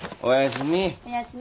おやすみ。